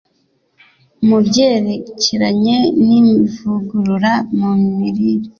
Mu byerekeranye nivugurura mu mirire